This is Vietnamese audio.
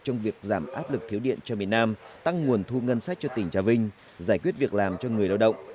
trong việc giảm áp lực thiếu điện cho miền nam tăng nguồn thu ngân sách cho tỉnh trà vinh giải quyết việc làm cho người lao động